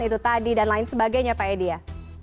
itu tadi dan lain sebagainya pak edi ya